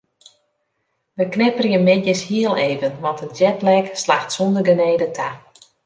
Wy knipperje middeis hiel even want de jetlag slacht sûnder genede ta.